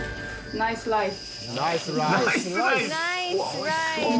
ナイスライス。